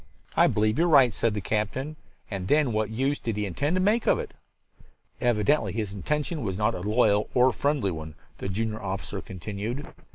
"I believe you are right," said the captain. "And then what use did he intend to make of it?" "Evidently his intention was not a loyal or friendly one," the junior officer continued.